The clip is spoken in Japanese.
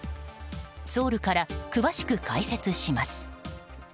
ソウルから詳しく解説します。